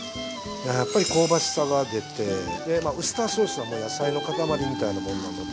やっぱり香ばしさが出てウスターソースはもう野菜の塊みたいなものなので。